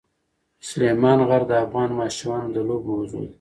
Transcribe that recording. سلیمان غر د افغان ماشومانو د لوبو موضوع ده.